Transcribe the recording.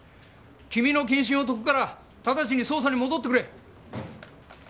君の謹慎を解くからただちに捜査に戻ってくれ。